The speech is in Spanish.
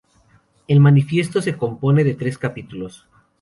El manifiesto se compone de tres capítulos.